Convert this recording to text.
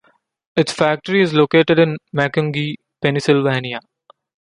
Its factory is located in Macungie, Pennsylvania.